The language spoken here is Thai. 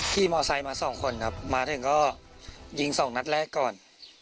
ขี่มอเซ็นต์มา๒คนครับมาถึงก็ยิง๒นัดแรกก่อน